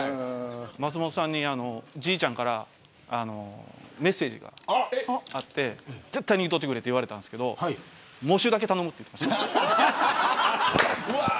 松本さんに、じいちゃんからメッセージがあって絶対に言っといてくれと言われたんですけど喪主だけ頼むって。